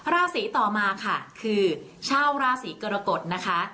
ราศีต่อมาค่ะคือชาวราศีกรกฎนะคะ